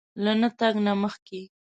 له نه تګ نه مخکې